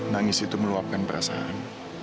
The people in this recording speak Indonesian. nangis itu meluapkan perasaan